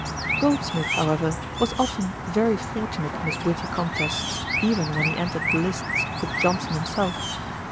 Goldsmith, however, was often very fortunate in his witty contests, even when he entered the lists with Johnson himself.